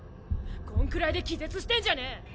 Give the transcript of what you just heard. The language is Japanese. こんくらいで気絶してんじゃねぇ。